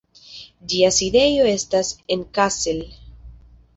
Ĝia sidejo estas en Kassel.